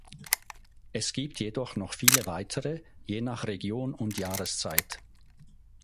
Es gibt jedoch noch viele weitere, je nach Region und Jahreszeit.